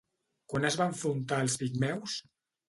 Quan es va enfrontar als pigmeus?